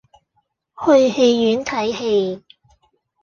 去戲院睇戯